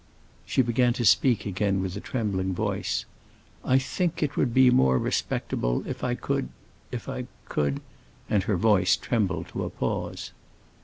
She began to speak again with a trembling voice. "I think it would be more respectable if I could—if I could"—and her voice trembled to a pause.